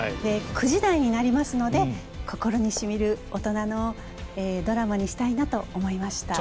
９時台になりますので心に染みる大人のドラマにしたいなと思いました。